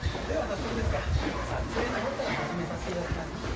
では早速ですが撮影のほうから始めさせていただきます。